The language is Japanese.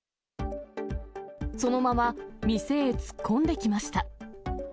そのまま店へ突っ込んできました。